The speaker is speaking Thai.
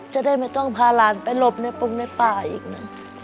จะได้ไม่ต้องพาหลานไปหลบในปรุงในป่าอีกนะ